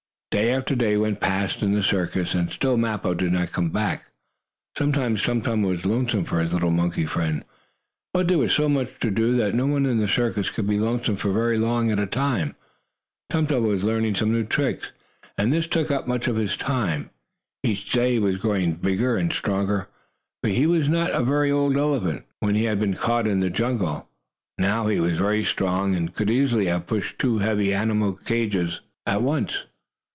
Day after day went past in the circus, and still Mappo did not come back. Sometimes Tum Tum was lonesome for his little monkey friend, but there was so much to do, that no one in a circus could be lonesome for very long at a time. Tum Tum was learning some new tricks, and this took up much of his time. Each day he was growing bigger and stronger, for he was not a very old elephant, when he had been caught in the jungle. Now he was very strong, and he could easily have pushed two heavy animal cages at once.